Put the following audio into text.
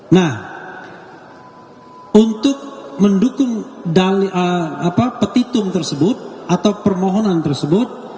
nah untuk mendukung petitum tersebut atau permohonan tersebut